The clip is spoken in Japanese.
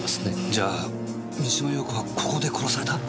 じゃあ三島陽子はここで殺された？